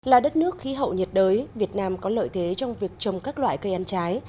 là đất nước khí hậu nhiệt đới việt nam có lợi thế trong việc trồng các loại cây ăn trái